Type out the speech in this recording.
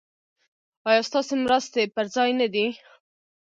ایا ستاسو مرستې پر ځای نه دي؟